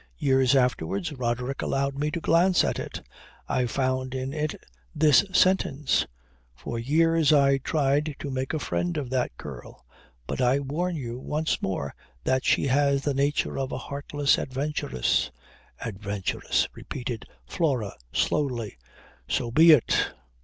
Years afterwards Roderick allowed me to glance at it. I found in it this sentence: 'For years I tried to make a friend of that girl; but I warn you once more that she has the nature of a heartless adventuress ...' Adventuress!" repeated Flora slowly. "So be it.